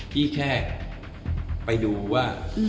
พี่แค่ไปดูว่า